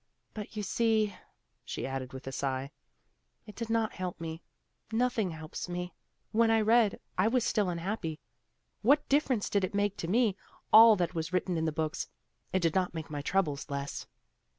"But you see," she added with a sigh, "it did not help me; nothing helps me. When I read, I was still unhappy. What difference did it make to me, all that was written in the books; it did not make my troubles less.